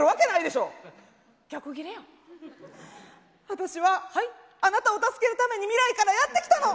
私はあなたを助けるために未来からやって来たの！